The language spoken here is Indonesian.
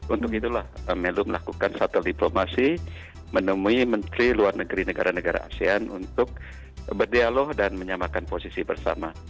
untuk itulah melu melakukan satu diplomasi menemui menteri luar negeri negara negara asean untuk berdialog dan menyamakan posisi bersama